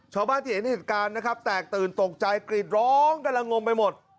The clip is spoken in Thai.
ช้าบ้านเจ๋งเห็นอิจการนะครับแตกตื่นตกใจกรีดร้องกระลังงมไปหมด